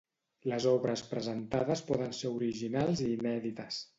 Les obres presentades poden ser originals i inèdites.